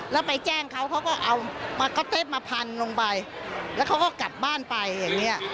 แล้วไปแจ้งเขาเขาก็เอามาก็เต็ตมาพันลงไปแล้วเขาก็กลับบ้านไปอย่างเงี้ย